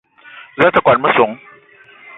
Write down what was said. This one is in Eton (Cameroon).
Za a te kwuan a messong?